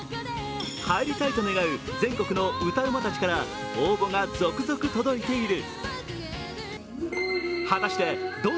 入りたいと願う全国の歌うまたちから応募が続々届いている。